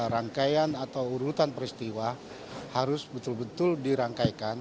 rangkaian atau urutan peristiwa harus betul betul dirangkaikan